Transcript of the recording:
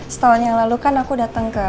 setahun yang lalu kan aku datang ke